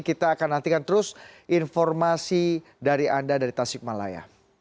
kita akan nantikan terus informasi dari anda dari tasikmalaya